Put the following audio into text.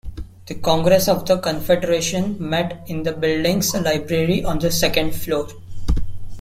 The Congress of the Confederation met in the building's library on the second floor.